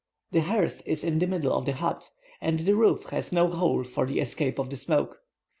The hearth is in the middle of the hut, and the roof has no hole for the escape of the smoke.